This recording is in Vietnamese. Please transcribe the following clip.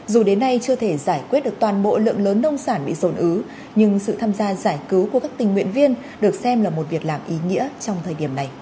dù đến nay chưa thể giải quyết được toàn bộ lượng lớn nông sản bị dồn ứ nhưng sự tham gia giải cứu của các tình nguyện viên được xem là một việc làm ý nghĩa trong thời điểm này